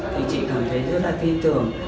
thì chị cảm thấy rất là tin tưởng